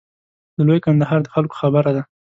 د لوی کندهار د خلکو خبره ده.